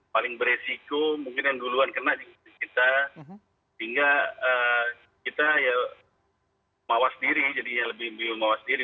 paling beresiko mungkin yang duluan kena juga kita sehingga kita ya mawas diri jadinya lebih mawas diri